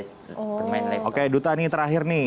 bermain laptop oke duta ini terakhir nih